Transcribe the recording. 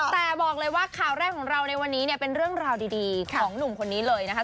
แต่บอกเลยว่าข่าวแรกของเราในวันนี้เนี่ยเป็นเรื่องราวดีของหนุ่มคนนี้เลยนะคะ